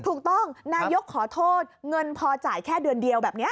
ถูกต้องนายกขอโทษเงินพอจ่ายแค่เดือนเดียวแบบนี้